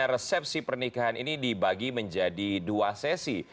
resepsi pernikahan ini dibagi menjadi dua sesi